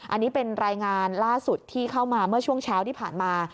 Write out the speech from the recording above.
อันนี้เป็นรายงานล่าสุดที่เข้ามาเมื่อช่วงเช้าที่ผ่านมา